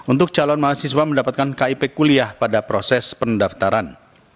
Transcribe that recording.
untuk calon mahasiswa mendapatkan kip kuliah pada proses pendaftaran